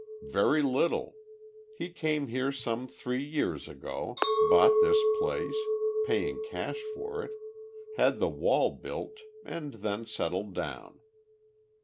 "Very little. He came here some three years ago, bought this place, paying cash for it; had the wall built, and then settled down.